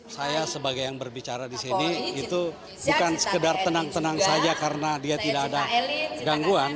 saya sebagai yang berbicara di sini itu bukan sekedar tenang tenang saja karena dia tidak ada gangguan